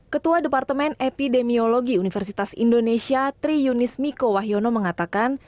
ketua departemen epidemiologi universitas indonesia tri yunis miko wahyono mengatakan